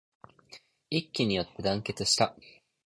一揆によって団結した